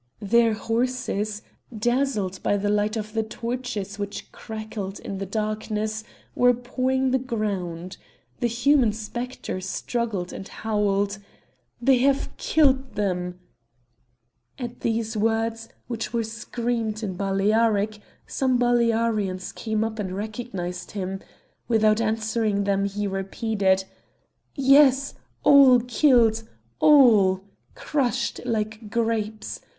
Their horses, dazzled by the light of the torches which crackled in the darkness, were pawing the ground; the human spectre struggled and howled: "They have killed them!" At these words, which were screamed in Balearic, some Balearians came up and recognised him; without answering them he repeated: "Yes, all killed, all! crushed like grapes!